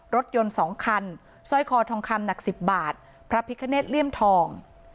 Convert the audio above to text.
รถยนต์สองคันซอยคอทองคำหนักสิบบาทพระพิกเนสเลี่ยมทอง